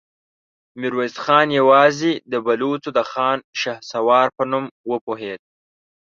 ميرويس خان يواځې د بلوڅو د خان شهسوار په نوم وپوهېد.